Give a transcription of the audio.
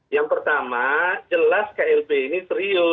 yang pertama jelas klb ini sering menggoda